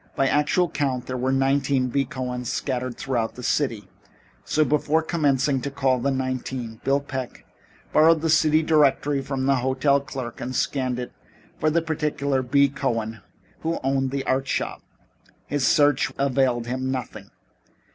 By actual count there were nineteen B. Cohens scattered throughout the city, so before commencing to call the nineteen, Bill Peck borrowed the city directory from the hotel clerk and scanned it for the particular B. Cohen who owned the art shop. His search availed him nothing.